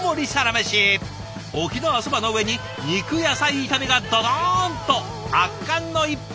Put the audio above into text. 沖縄そばの上に肉野菜炒めがドドーンと圧巻の一杯。